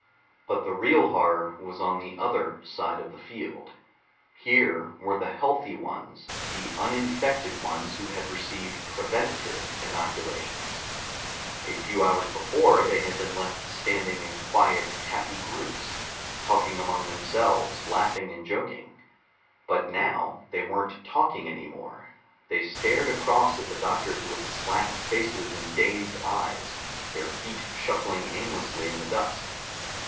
But the real horror was on the other side of the field. Here were the healthy ones, the uninfected ones who had received preventative inoculations. A few hours before they had been left standing in quiet, happy groups, talking among themselves, laughing and joking.... But now they weren't talking any more. They stared across at the doctors with slack faces and dazed eyes, their feet shuffling aimlessly in the dust.